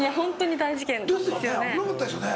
危なかったですよね。